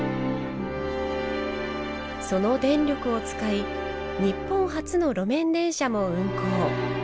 その電力を使い日本初の路面電車も運行。